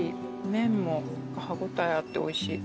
麺も歯応えあっておいしい。